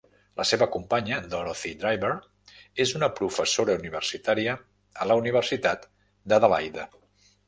La seva companya, Dorothy Driver, és una professora universitària a la Universitat d'Adelaide.